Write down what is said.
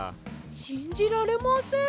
しんじられません。